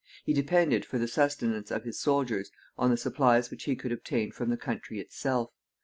He depended for the sustenance of his soldiers on the supplies which he could obtain from the country itself.